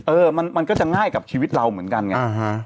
เออมันก็จะง่ายกับชีวิตเราเหมือนกันไง